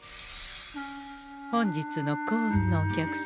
本日の幸運のお客様。